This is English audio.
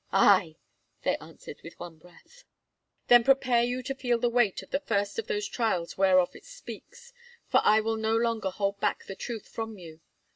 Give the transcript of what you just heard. "Aye!" they answered with one breath. "Then prepare you to feel the weight of the first of those trials whereof it speaks, for I will no longer hold back the truth from you.